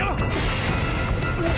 aduh teteh ampun